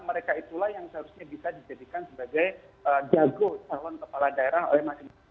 mereka itulah yang seharusnya bisa dijadikan sebagai jago calon kepala daerah